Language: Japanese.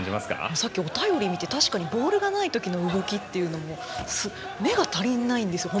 さっきお便り見てボールがないときの動きというのも目が足りないんです。